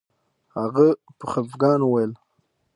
هغه په خفګان وویل